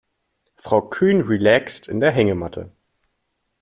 Frau Kühn relaxt in der Hängematte.